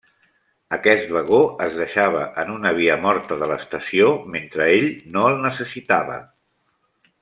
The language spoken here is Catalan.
Aquest vagó es deixava en una via morta de l'Estació mentre ell no el necessitava.